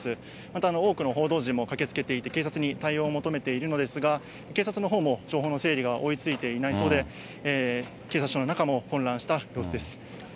また多くの報道陣も駆けつけていて、警察に対応を求めているのですが、警察のほうも情報の整理が追いついていないそうで、警察署の中も混乱した様子です。